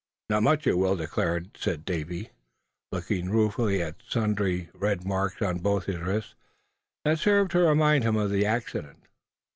"Not much you will," declared the said Davy, looking ruefully at sundry red marks on both his wrists, that served to remind him of the accident.